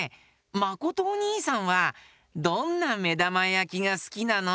まことおにいさんはどんなめだまやきがすきなの？